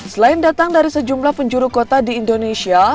selain datang dari sejumlah penjuru kota di indonesia